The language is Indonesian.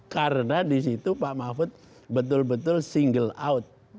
karena di situ pak mahfud betul betul single out